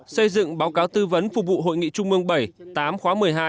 xây dựng báo cáo tư vấn phục vụ hội nghị trung mương bảy tám khóa một mươi hai